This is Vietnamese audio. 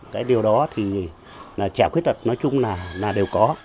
cái điều đó thì trẻ khuyết tật nói chung là đều có